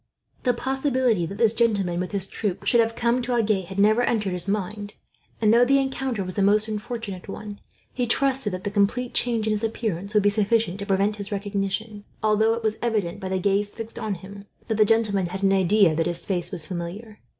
The possibility that this gentleman, with his troop, should have come to Agen had never entered his mind; and though the encounter was a most unfortunate one, he trusted that the complete change in his appearance would be sufficient to prevent recognition; although it was evident, by the gaze fixed on him, that the gentleman had an idea that his face was familiar.